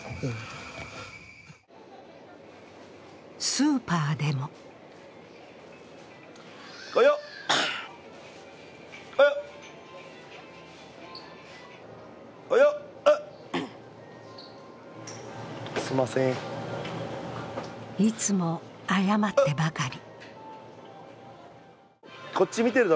スーパーでもあっ、あやっ、あっいつも謝ってばかり。